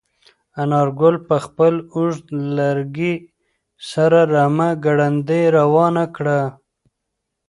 انارګل په خپل اوږد لرګي سره رمه ګړندۍ روانه کړه.